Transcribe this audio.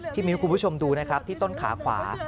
มิ้วคุณผู้ชมดูนะครับที่ต้นขาขวา